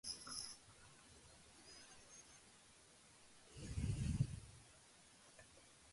It was roughly divided into eight quadrilateral courtyards and gardens.